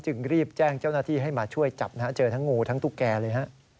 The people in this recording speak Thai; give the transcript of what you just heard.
จึงรีบแจ้งเจ้าหน้าที่ให้มาช่วยจับนะฮะเจอทั้งงูทั้งตุ๊กแกเลยฮะ